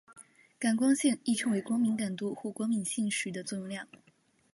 感光性亦称光敏感度或光敏性时的作用量。